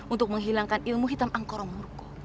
untuk menghilangkan ilmu hitam angkoramurgo